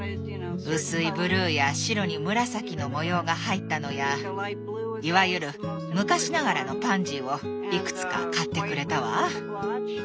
薄いブルーや白に紫の模様が入ったのやいわゆる昔ながらのパンジーをいくつか買ってくれたわ。